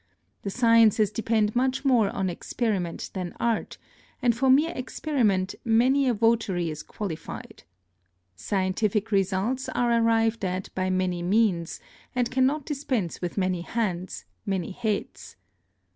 The sciences depend much more on experiment than art, and for mere experiment many a votary is qualified. Scientific results are arrived at by many means, and cannot dispense with many hands, many heads.